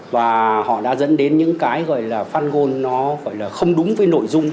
và họ đã dẫn đến những cái gọi là phan gôn nó gọi là không đúng với nội dung